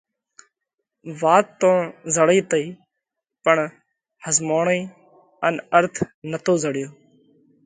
وات تو زڙئِي تئِي پڻ ۿزموڻئِي ان ارٿ نتو زڙيو۔